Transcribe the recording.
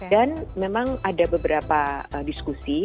dan memang ada beberapa diskusi